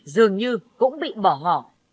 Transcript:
dường như cũng bị bỏ ngỏ